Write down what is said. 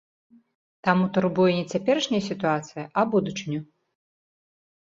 Таму турбуе не цяперашняя сітуацыя, а будучыню.